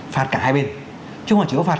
phạt cả hai bên chứ không phải chỉ có phạt